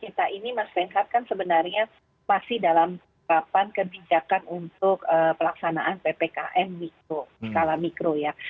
jadi kita ini mas renghat kan sebenarnya masih dalam perapan kebijakan untuk pelaksanaan ppkm skala mikro ya